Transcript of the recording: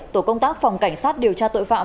tổ công tác phòng cảnh sát điều tra tội phạm